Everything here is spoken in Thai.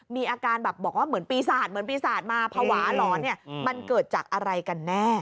มีอาการบอกว่าเหมือนปีศาจมาภาวะหรอเนี่ยมันเกิดจากอะไรกันแน่